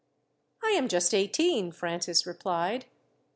"I am just eighteen," Francis replied.